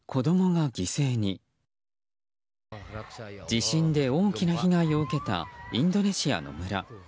地震で大きな被害を受けたインドネシアの村。